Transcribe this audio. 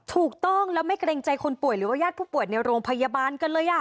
ถูกต้องแล้วไม่เกรงใจคนป่วยหรือว่าญาติผู้ป่วยในโรงพยาบาลกันเลย